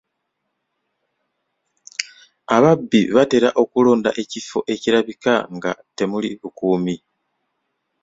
Ababbi batera okulonda ekifo ekirabika nga temuli bukuumi.